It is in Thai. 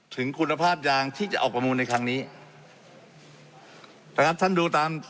ถึงคุณภาพยางที่จะออกประมูลในครั้งนี้นะครับท่านดูตาม